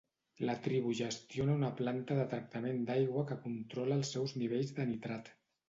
La tribu gestiona una planta de tractament d'aigua que controla els seus nivells de nitrat.